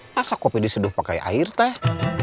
masa kopi disuruh pake air teh